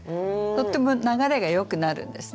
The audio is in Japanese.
とっても流れがよくなるんですね。